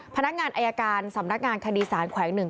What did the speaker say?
พนักงานอายการสำนักงานคดีสารแขวงหนึ่ง